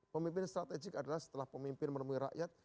pemimpin strategik adalah setelah pemimpin menemui rakyat